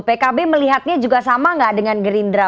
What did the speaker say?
pkb melihatnya juga sama nggak dengan gerindra